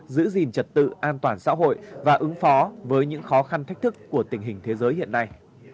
giữ gìn trật tự an toàn xã hội và ứng phó với những khó khăn thách thức của tình hình thế giới hiện nay